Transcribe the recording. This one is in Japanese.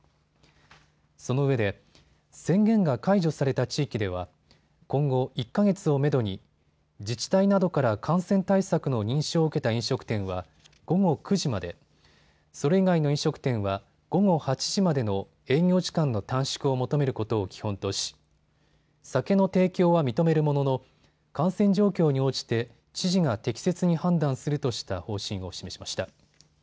そのうえで宣言が解除された地域では今後１か月をめどに自治体などから感染対策の認証を受けた飲食店は午後９時まで、それ以外の飲食店は午後８時までの営業時間の短縮を求めることを基本とし、酒の提供は認めるものの感染状況に応じて知事が適切に判断するとした方針を示しました。